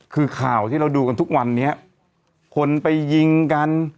คือข่าวที่เราดูกันทุกวันนี้คนไปยิงกัน